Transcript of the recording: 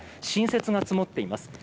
新雪が積もっています。